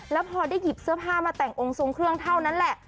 แล้วพอได้หยิบเสื้อผ้ามาแต่งองค์ทรงเครื่องเท่านั้นแหละ